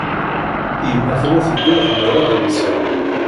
Yemma tella tuggad mer ad amseɣ.